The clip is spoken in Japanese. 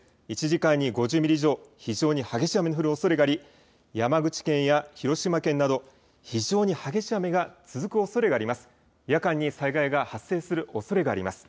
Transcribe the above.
１時間に５０ミリ以上、非常に激しい雨の降るおそれがあり山口県や広島県など非常に激しい雨が続くおそれがあります。